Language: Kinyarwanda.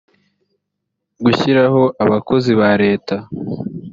gushyiraho abakozi ba leta